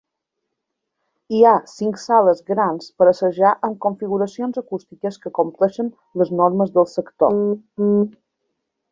Hi ha cinc sales grans per assajar amb configuracions acústiques que compleixen les normes del sector.